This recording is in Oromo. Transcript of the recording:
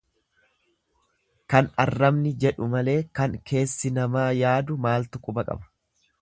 Kan arrabni jedhu malee kan keessi namaa yaadu maaltu quba qaba.